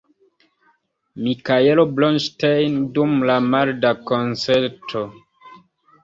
Mikaelo Bronŝtejn dum la marda koncerto.